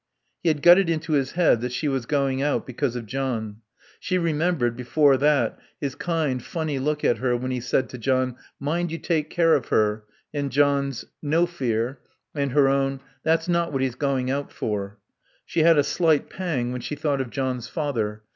He had got it into his head that she was going out because of John. She remembered, before that, his kind, funny look at her when he said to John, "Mind you take care of her," and John's "No fear," and her own "That's not what he's going out for." She had a slight pang when she thought of John's father.